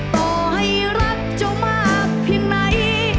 ต่อให้รักเจ้ามากเพียงไหน